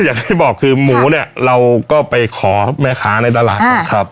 อย่างที่บอกคือหมูเนี่ยเราก็ไปขอแม่ค้าในตลาดก่อนครับ